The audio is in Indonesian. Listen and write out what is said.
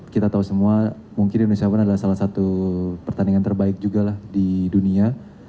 kita tahu semua mungkin indonesia open adalah salah satu pertandingan terbaik juga di dunia